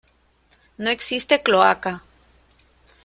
No existe cloaca.